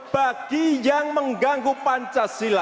bagi yang mengganggu pancasila